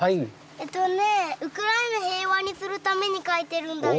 えっとねぇウクライナ平和にするために描いてるんだよ。